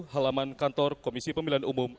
halaman kantor komisi pemilihan umum